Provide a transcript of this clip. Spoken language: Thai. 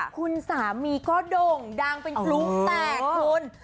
คุณสามีก็โด่งดังเป็นพลุแตกคุณ